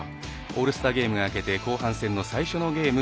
オールスターゲームが明け後半戦の最初のゲーム